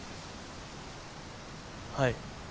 はい。